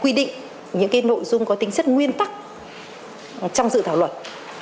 quy định những nội dung có tính chất nguyên tắc trong dự thảo luật